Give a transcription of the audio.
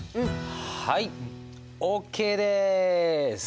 はいＯＫです。